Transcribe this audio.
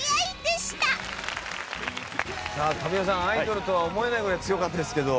さあ神尾さんアイドルとは思えないぐらい強かったですけど。